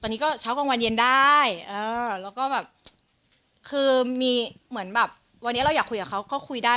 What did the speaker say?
ตอนนี้ก็เช้ากลางวันเย็นได้แล้วก็แบบคือมีเหมือนแบบวันนี้เราอยากคุยกับเขาก็คุยได้